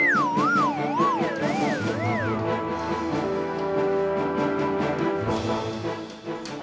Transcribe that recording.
langsung aja gebukin udah langsung